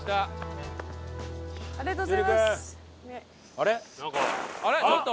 あれ？